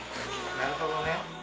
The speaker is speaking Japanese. なるほどね。